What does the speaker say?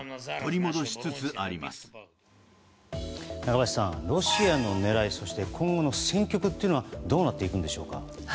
中林さん、ロシアの狙いそして今後の戦局というのはどうなっていくんでしょうか。